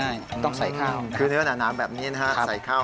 ถ้าเป็นไร้ก้างก็ทำเหมือนกันทำเหมือนกันแล้วมันจูดเสียถัง